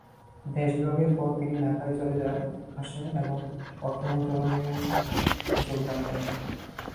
দেশ বিভাগের পরে তিনি ঢাকায় চলে আসেন এবং অর্থ মন্ত্রণালয়ে যোগদান করেন।